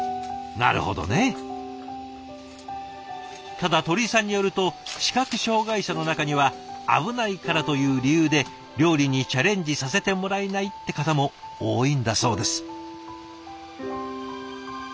ただ鳥居さんによると視覚障害者の中には危ないからという理由で料理にチャレンジさせてもらえないって方も多いんだそうです。